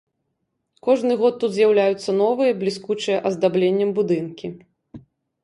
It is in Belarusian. Кожны год тут з'яўляюцца новыя, бліскучыя аздабленнем будынкі.